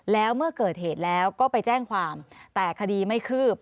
แล้วเมื่อเกิดเหตุแล้วก็ไปแจ้งความแต่คดีไม่คืบ